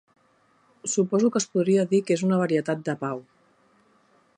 Suposo que es podria dir que és una varietat de pau.